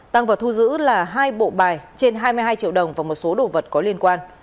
tăng vật thu giữ là hai bộ bài trên hai mươi hai triệu đồng và một số đồ vật có liên quan